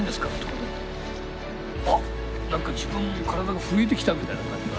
あっなんか自分も体が震えてきたみたいな感じが。